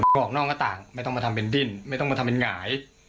ออกนอกหน้าต่างไม่ต้องมาทำเป็นดิ้นไม่ต้องมาทำเป็นหงาย